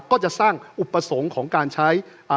ก็จะสร้างอุปสรรคของการใช้